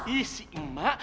ih si emak